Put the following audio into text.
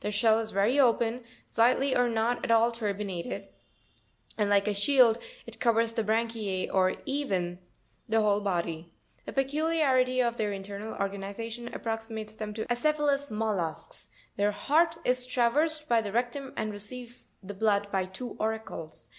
Their shell is very open, slightly or not at all turbinated, and, like a shield, it covers the branchize or even the whole body. A peculiarity of their internal organi zation approximates them to the acephalous mollusks ; their heart is traversed by the rectum and receives the blood by two auricles.